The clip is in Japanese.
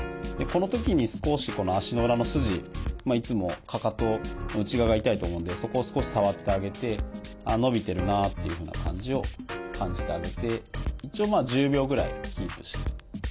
このときに少しこの足の裏の筋いつもかかかとの内側が痛いと思うのでそこを少し触ってあげて伸びてるなっていうふうな感じを感じてあげて一応まあ１０秒ぐらいキープして。